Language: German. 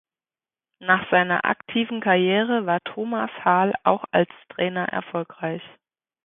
Nach seiner aktiven Karriere war Thomas Hahl auch als Trainer erfolgreich.